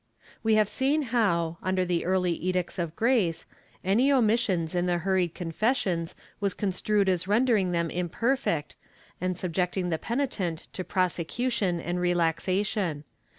We have seen how, under the early Edicts of Grace, any omissions in the hurried confessions was construed as rendering them imperfect and sub jecting the penitent to prosecution and relaxation.